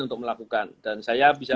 untuk melakukan dan saya bisa